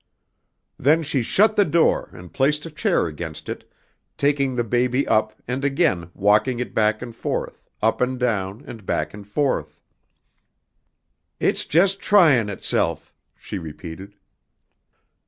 Then she shut the door and placed a chair against it, taking the baby up and again walking it back and forth, up and down and back and forth. "It's just tryin' itself," she repeated.